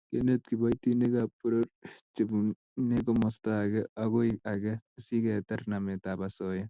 Kenet kiboitinikab poror chebunei komosta age agoi age asiketar nametab osoya